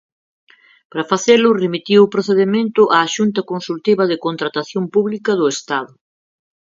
Para facelo remitiu o procedemento á Xunta Consultiva de Contratación Pública do Estado.